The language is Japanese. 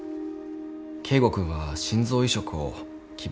圭吾君は心臓移植を希望しておらず。